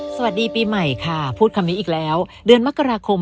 สวัสดีปีใหม่ค่ะพูดคำนี้อีกแล้วเดือนมกราคม